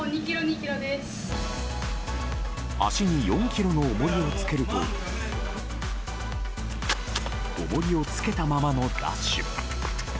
足に４ｋｇの重りをつけると重りをつけたままのダッシュ。